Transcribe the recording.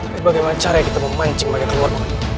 tapi bagaimana cara kita memancing mereka keluar